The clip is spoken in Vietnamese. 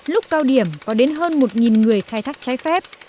lúc cao điểm có đến hơn một người khai thác trái phép